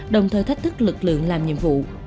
đồng thời thách thức lực lượng làm nhiệm vụ